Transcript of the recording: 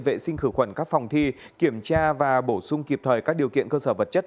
vệ sinh khử khuẩn các phòng thi kiểm tra và bổ sung kịp thời các điều kiện cơ sở vật chất